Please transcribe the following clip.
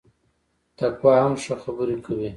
تقوا هم ښه خبري کوي